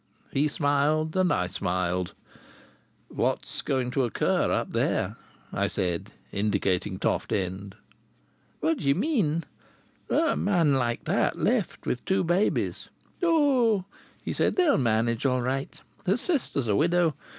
He smiled, and I smiled. "What's going to occur up there?" I asked, indicating Toft End. "What do you mean?" "A man like that left with two babies!" "Oh!" he said. "They'll manage that all right. His sister's a widow.